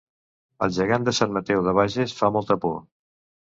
El gegant de Sant Mateu de Bages fa molta por